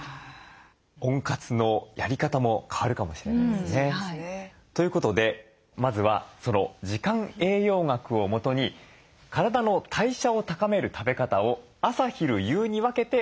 温活のやり方も変わるかもしれないですね。ということでまずはその時間栄養学をもとに体の代謝を高める食べ方を朝昼夕に分けてお伝えしていきます。